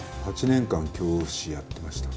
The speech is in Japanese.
８年間教師やってました。